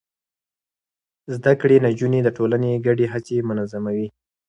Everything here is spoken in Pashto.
زده کړې نجونې د ټولنې ګډې هڅې منظموي.